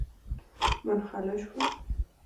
منحله شوه.